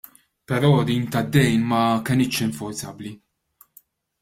Però din tad-dejn ma kenitx infurzabbli.